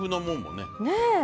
ねえ。